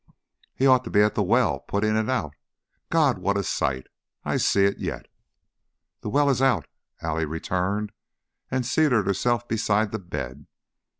"He ought to be at the well putting it out. God! What a sight! I see it yet!" "The well is out!" Allie returned and seated herself beside the bed.